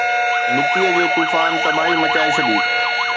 مٽيءَ جي طوفان تباهي مچائي ڇڏي